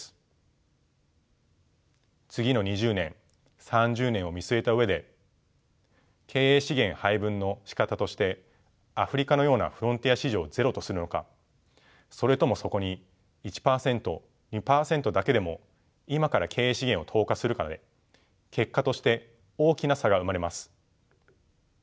次の２０年３０年を見据えた上で経営資源配分のしかたとしてアフリカのようなフロンティア市場をゼロとするのかそれともそこに１％２％だけでも今から経営資源を投下するかで結果として大きな差が生まれます。